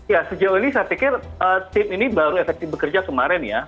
ya sejauh ini saya pikir tim ini baru efektif bekerja kemarin ya